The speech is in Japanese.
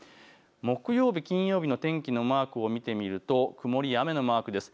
木曜日、金曜日の天気のマークを見てみると曇りや雨のマークです。